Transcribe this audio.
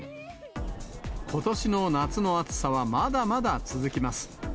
ことしの夏の暑さはまだまだ続きます。